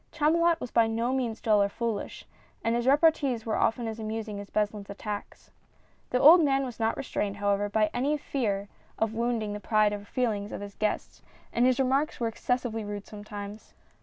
Chamulot was by no means dull or foolish, and his repartees were often as amusing as Beslin's attacks. The old man was not restrained, however, by any fear 2 34 A FISH SUPPER. of wounding the pride or the feelings of his guests, and his remarks were excessively rude sometimes.